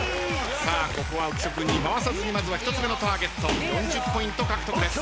ここは浮所君に回さずにまずは１つ目のターゲット４０ポイント獲得です。